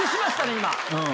今。